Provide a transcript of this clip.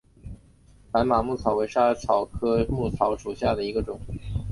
白马薹草为莎草科薹草属下的一个种。